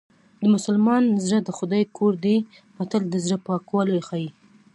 د مسلمان زړه د خدای کور دی متل د زړه پاکوالی ښيي